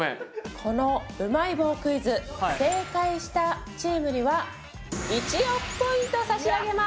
このうまい棒クイズ正解したチームには１億ポイント差し上げます！